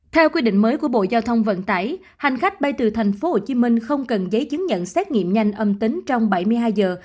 theo quy định mới của bộ giao thông vận tải hành khách bay từ tp hcm không cần giấy chứng nhận xét nghiệm nhanh âm tính trong bảy mươi hai giờ